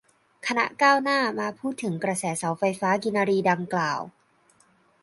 คณะก้าวหน้า มาพูดคุยถึงกระแสเสาไฟฟ้ากินรีดังกล่าว